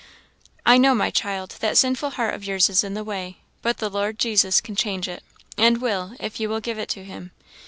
"I know, my child, that sinful heart of yours is in the way, but the Lord Jesus can change it, and will, if you will give it to him.